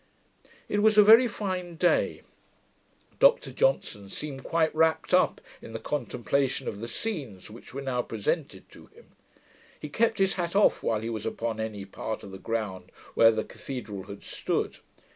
It was a very fine day. Dr Johnson seemed quite wrapt up in the contemplation of the scenes which were now presented to him. He kept his hat off while he was upon any part of the ground where the cathedral had stood.